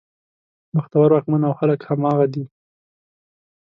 بختور واکمن او خلک همغه دي.